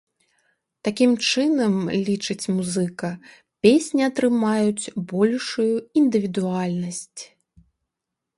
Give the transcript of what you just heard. Такім чынам, лічыць музыка, песні атрымаюць большую індывідуальнасць.